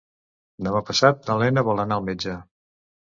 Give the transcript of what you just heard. Demà passat na Lena vol anar al metge.